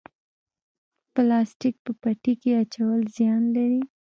پلاستیک په پټي کې اچول زیان لري؟